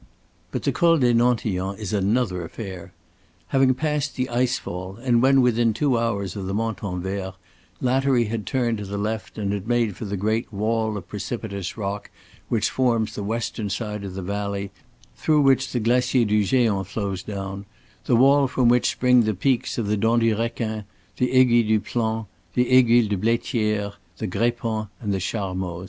But the Col des Nantillons is another affair. Having passed the ice fall, and when within two hours of the Montanvert, Lattery had turned to the left and had made for the great wall of precipitous rock which forms the western side of the valley through which the Glacier du Géant flows down, the wall from which spring the peaks of the Dent du Requin, the Aiguille du Plan, the Aiguille de Blaitière, the Grépon and the Charmoz.